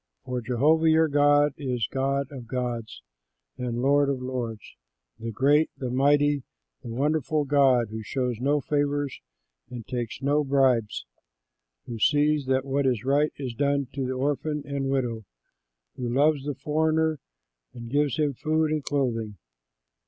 For Jehovah your God is God of gods and Lord of lords, the great, the mighty, the wonderful God, who shows no favors and takes no bribes, who sees that what is right is done to the orphan and widow, who loves the foreigner and gives him food and clothing.